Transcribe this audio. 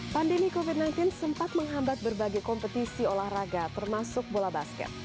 pandemi covid sembilan belas sempat menghambat berbagai kompetisi olahraga termasuk bola basket